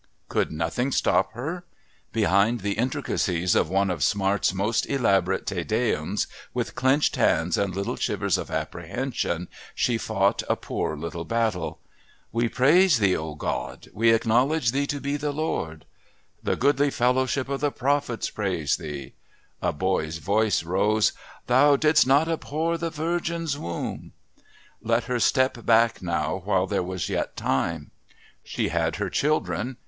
Could nothing stop her? Behind the intricacies of one of Smart's most elaborate "Te Deums," with clenched hands and little shivers of apprehension, she fought a poor little battle. "We praise Thee, O God. We acknowledge Thee to be the Lord...." "The goodly fellowship of the prophets praise Thee...." A boy's voice rose, "Thou did'st not abhor the Virgin's womb...." Let her step back now while there was yet time. She had her children.